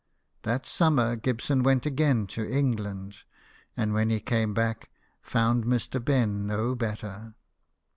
That summer Gibson went again to England, and when he came back found Mr. Ben no better.